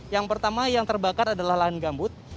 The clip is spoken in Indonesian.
yang pertama yang terbakar adalah lahan gambut